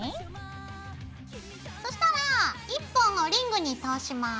そしたら１本をリングに通します。